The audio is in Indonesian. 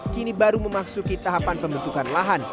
kini baru memasuki tahapan pembentukan lahan